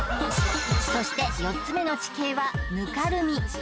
そして４つ目の地形はぬかるみ